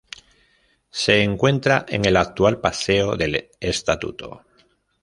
Se encuentra en el actual paseo del Estatuto.